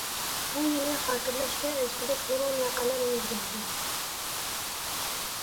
بۇ يىلى خاتىرىلەشكە ئەرزىگۈدەك نۇرغۇن ۋەقەلەر يۈز بەردى.